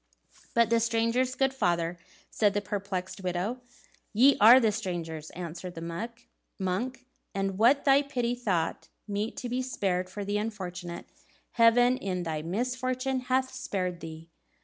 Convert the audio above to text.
"But the strangers, good father?" said the perplexed widow. "Ye are the strangers," answered the monk; "and what thy pity thought meet to be spared for the unfortunate, Heaven in thy misfortune hath spared to thee."